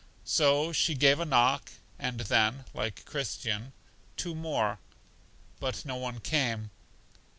So, she gave a knock, and then (like Christian) two more; but no one came.